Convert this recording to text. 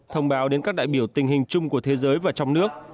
thông báo đến các đại biểu tình hình chung của thế giới và trong nước